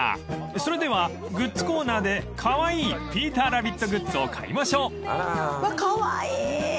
それではグッズコーナーでカワイイピーターラビットグッズを買いましょう］カワイイ！